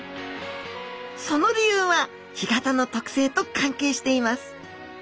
その理由は干潟の特性と関係しています。